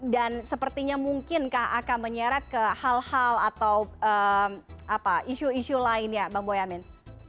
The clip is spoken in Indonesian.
dan sepertinya mungkin kak akan menyeret ke hal hal atau isu isu lain ya bang boyamin